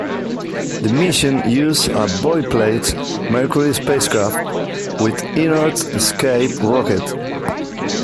The mission used a boilerplate Mercury spacecraft, with inert escape rocket.